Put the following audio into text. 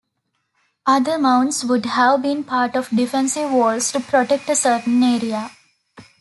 Other mounds would have been part of defensive walls to protect a certain area.